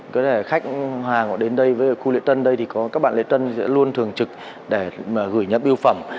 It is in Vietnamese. có thể khách hàng họ đến đây với khu lễ tân đây thì có các bạn lễ tân sẽ luôn thường trực để gửi nhập biêu phẩm